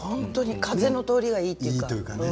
風の通りがいいというかね。